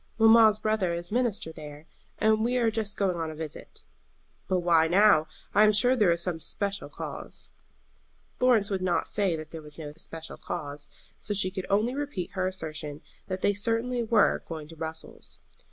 "Mamma's brother is minister there, and we are just going on a visit." "But why now? I am sure there is some especial cause." Florence would not say that there was no especial cause, so she could only repeat her assertion that they certainly were going to Brussels.